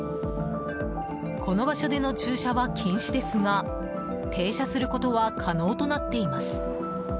この場所での駐車は禁止ですが停車することは可能となっています。